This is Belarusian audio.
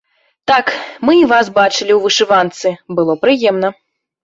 Так, мы і вас бачылі ў вышыванцы, было прыемна.